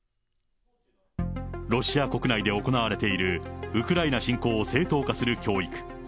ロシア国内で行われているウクライナ侵攻を正当化する教育。